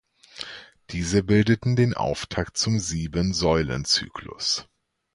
Diese bildeten den Auftakt zum "Sieben-Säulen-Zyklus".